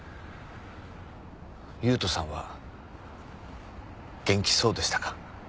優人さんは元気そうでしたか？